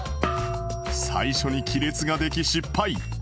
最初に亀裂ができ失敗